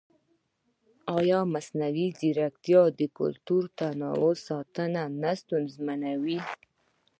ایا مصنوعي ځیرکتیا د کلتوري تنوع ساتنه نه ستونزمنوي؟